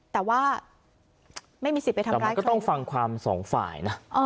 แต่มันก็ต้องฟังความสองฝ่ายนะ